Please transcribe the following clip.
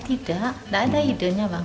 tidak tidak ada idenya bang